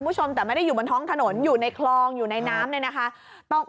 คุณผู้ชมแต่ไม่ได้อยู่บนท้องถนนอยู่ในคลองอยู่ในน้ำเนี่ยนะคะ